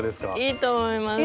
いいと思います。